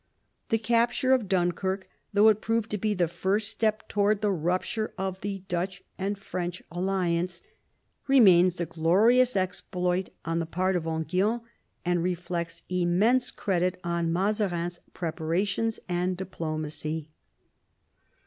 The capture of Dunkirk, though it proved to be the first step towards the rupture of the Dutch and French alliance, remains a glorious exploit on the part of Enghien, and reflects immense credit on Mazarin's preparations and diplomacy.